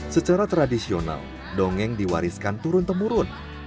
secara tradisional dongeng diwariskan turun temurun